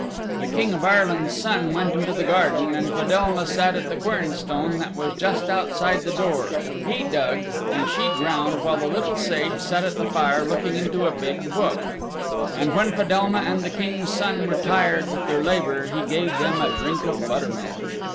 The King of Ireland's Son went into the garden and Fedelma sat at the quern stone that was just outside the door; he dug and she ground while the Little Sage sat at the fire looking into a big book. And when Fedelma and the King's Son were tired with their labor he gave them a drink of buttermilk.